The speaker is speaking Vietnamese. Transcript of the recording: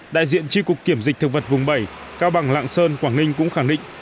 đại diện tri cục kiểm dịch thực vật vùng bảy cao bằng lạng sơn quảng ninh cũng khẳng định